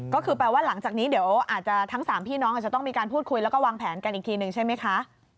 ก็คือแปลว่าหลังจากนี้เดี๋ยวอาจจะทั้ง๓พี่น้องอาจจะต้องมีการพูดคุยแล้วก็วางแผนกันอีกทีหนึ่งใช่ไหมคะ